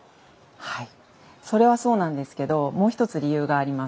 はいそれはそうなんですけどもう一つ理由があります。